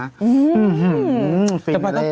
อื้อหือฟิงเลย